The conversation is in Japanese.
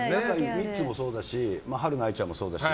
ミッツもそうだしはるな愛ちゃんもそうだし。